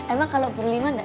emang kalau berlima gak enak